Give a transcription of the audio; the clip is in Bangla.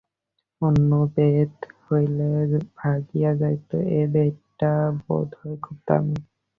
অন্য বেত হইলে ভাঙিয়া যাইত, এ বেতটা বোধ হয় খুব দামি।